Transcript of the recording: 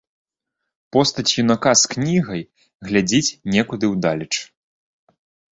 Постаць юнака з кнігай глядзіць некуды ўдалеч.